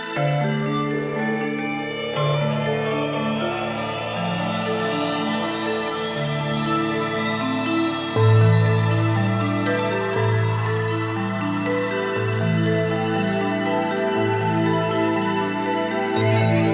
โปรดติดตามตอนต่อไป